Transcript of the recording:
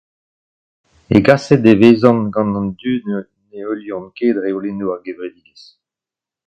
Hegaset e vezan gant an dud ne heuliont ket reolennoù ar gevredigezh